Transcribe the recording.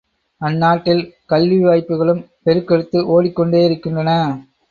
அந்நாட்டில் கல்வி வாய்ப்புக்களும் பெருக்கெடுத்து ஒடிக் கொண்டேயிருக்கின்றன.